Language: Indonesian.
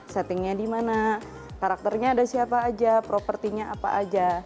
settingnya di mana karakternya ada siapa aja propertinya apa aja